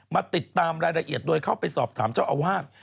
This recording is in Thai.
มาติดตามรายละเอียดโดยเข้าไปสอบถามเจ้าอาวาส